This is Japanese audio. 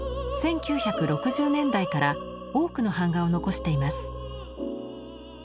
１９６０年代から多くの版画を残しています。